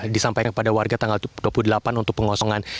disampaikan kepada warga tanggal dua puluh delapan untuk pengosongan